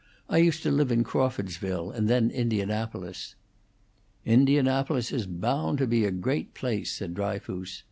I used to live in Crawfordsville, and then Indianapolis." "Indianapolis is bound to be a great place," said Dryfoos.